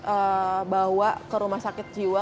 kita bawa ke rumah sakit jiwa